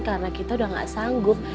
karena kita udah gak sanggup